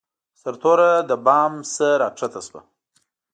سرتوره له بام نه راکښته شوه.